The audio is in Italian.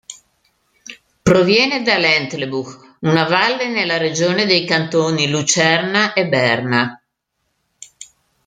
Proviene dall'Entlebuch, una valle nella regione dei cantoni Lucerna e Berna.